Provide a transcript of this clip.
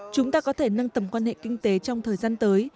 chúng ta có thể nâng tầm quan hệ kinh tế trong thời gian tới